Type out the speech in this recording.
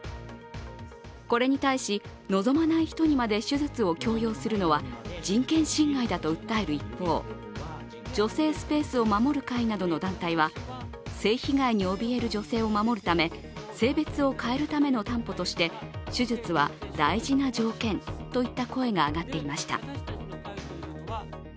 これに対し、望まない人にまで手術を強要するのは人権侵害だと訴える一方、女性スペースを守る会などの団体は性被害におびえる女性を守るため性別を変えるための担保として手術は大事な条件といった声が上がっていました。